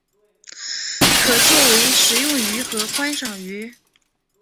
可作为食用鱼和观赏鱼。